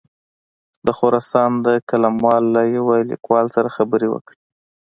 د خراسان د قلموال له یوه لیکوال سره خبرې وکړې.